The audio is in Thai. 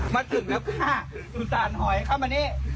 มาถึงแล้วค่ะสงสารหอยเข้ามานี่